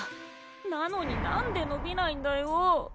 なのになんでのびないんだよ。